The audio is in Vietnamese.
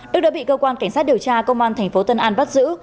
đức đã bị cơ quan cảnh sát điều tra công an tp tân an bắt giữ